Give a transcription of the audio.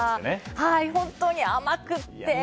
本当に甘くて。